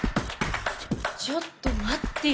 ちょっと待ってよ。